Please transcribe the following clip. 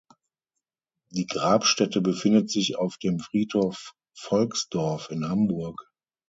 Die Grabstätte befindet sich auf dem Friedhof Volksdorf in Hamburg.